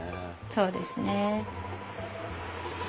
そうですね。